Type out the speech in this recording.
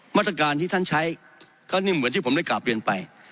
มาตรการที่ท่านใช้ก็นิ่มเหมือนที่ผมได้กราบเรียนไป